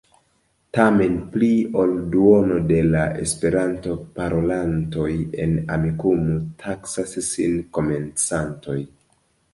Tamen pli ol duono de la Esperanto-parolantoj en Amikumu taksas sin komencantoj.